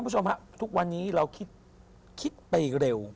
คุณผู้ชมครับทุกวันนี้เราคิดไปเร็ว